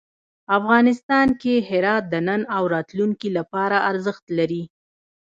افغانستان کې هرات د نن او راتلونکي لپاره ارزښت لري.